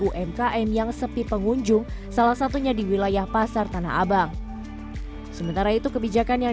umkm yang sepi pengunjung salah satunya di wilayah pasar tanah abang sementara itu kebijakan yang